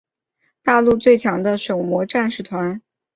大陆最强的狩魔战士团。